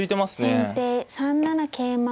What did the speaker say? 先手３七桂馬。